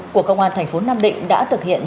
của công an tp nam định đã thực hiện